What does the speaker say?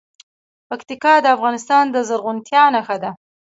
پکتیکا د افغانستان د زرغونتیا نښه ده.